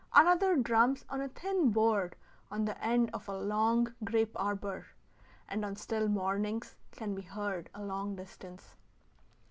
Another drums on a thin board on the end of a long grape arbor, and on still mornings can be heard a long distance.